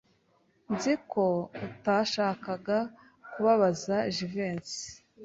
Nzi ko utashakaga kubabaza Jivency.